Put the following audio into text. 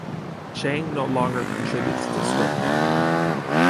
Chang no longer contributes to ScopeTech.